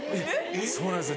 そうなんですよ